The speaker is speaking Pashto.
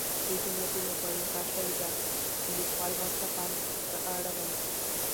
دې جملو کې مبالغه شوې ده، د ليکوال ورته پام رااړوم.